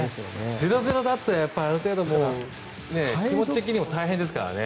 ゼロゼロだったらある程度、気持ち的にも大変ですからね。